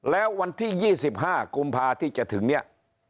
แล้ววันที่๒๕กุมภาที่จะถึงเนี่ย